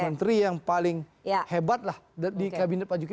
menteri yang paling hebat lah di kabinet pak jokowi